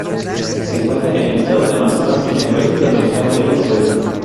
Se encuentra en el estado de Amazonas, en el país sudamericano de Venezuela.